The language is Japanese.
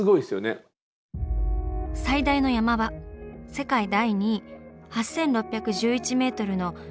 最大の山場世界第２位８，６１１メートルのＫ２に挑む場面。